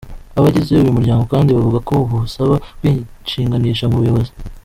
Abagize uyu muryango kandi bavuga ko ubu basaba kwishinganisha mu buyobozi.